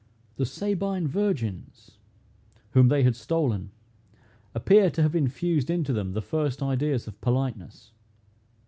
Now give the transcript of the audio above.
The Sabine virgins, whom they had stolen, appear to have infused into them the first ideas of politeness.